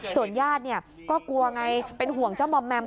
ส่วนญาติก็กลัวไงเป็นห่วงเจ้ามอมแมม